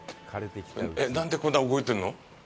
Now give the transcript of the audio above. えっ、何でこんな動いてんの！？